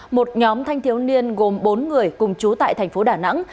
một nhóm thanh thiếu niên gồm bốn người cùng chú tại thành phố đà nẵng